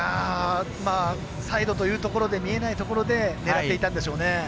サイドというところで見えないところで狙っていたんでしょうね。